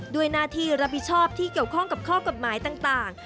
ด้วยหน้าที่รับผิดชอบที่เกี่ยวข้องกับข้อกฎหมายต่าง